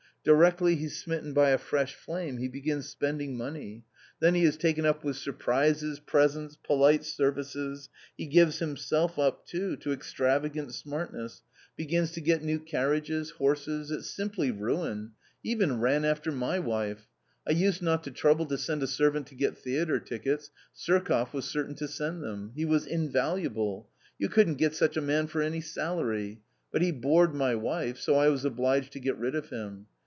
directly he's smitten by a fresh flame, he begins spending money. Then he is taken up with surprises, presents, polite services; he gives him self up, too, to extravagant smartness, begins to get new 168 A COMMON STORY carriages, horses — it's simply ruin ! He even ran after my wife. I used not to trouble to send a servant to get theatre tickets ; Surkoff was certain to send them ^ he was invaluable ! you couldn't get such a man for any salary ; but he bored my wife so I was obliged to get rid of him.